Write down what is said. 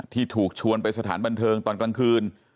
ที่ถูกชวนไปสถานบันเทิงตอนกลางคืน